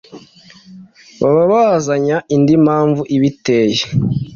Babazanya indi mpamvu ibiteye